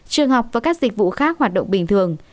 trường học và các dịch vụ khác hoạt động bình thường